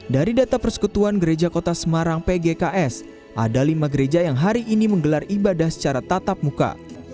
dari data persekutuan gereja kota semarang pgks ada lima gereja yang hari ini menggelar ibadah secara tatap muka